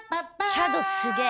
チャドすげえ。